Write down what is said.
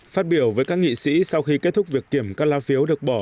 phát biểu với các nghị sĩ sau khi kết thúc việc kiểm các la phiếu được bỏ